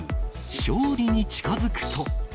勝利に近づくと。